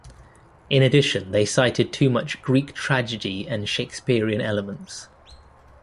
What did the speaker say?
In addition they cited too much "Greek tragedy and Shakespearean" elements.